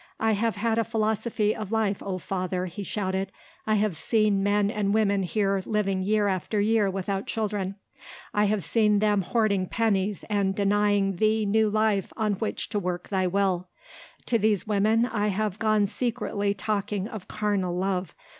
"I have had a philosophy of life, O Father," he shouted. "I have seen men and women here living year after year without children. I have seen them hoarding pennies and denying Thee new life on which to work Thy will. To these women I have gone secretly talking of carnal love.